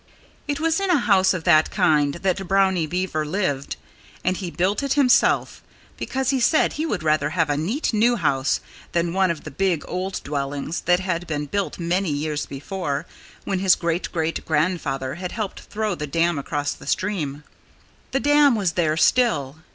It was in a house of that kind that Brownie Beaver lived. And he built it himself, because he said he would rather have a neat, new house than one of the big, old dwellings that had been built many years before, when his great great grandfather had helped throw the dam across the stream. The dam was there still.